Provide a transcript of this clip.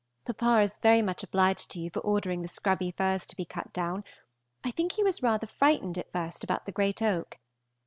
Papa is much obliged to you for ordering the scrubby firs to be cut down; I think he was rather frightened at first about the great oak.